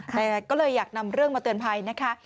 แต่ก็เลยอยากนำเรื่องมาเตือนภัยนะคะ